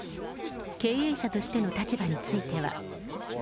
経営者としての立場については。